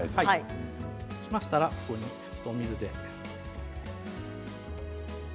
そうしましたら、お水で。